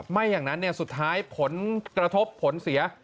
ไม่อย่างนั้นสุดท้ายผลกระทบผลเสีย